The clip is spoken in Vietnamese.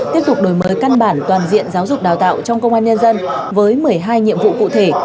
tiếp tục đổi mới căn bản toàn diện giáo dục đào tạo trong công an nhân dân với một mươi hai nhiệm vụ cụ thể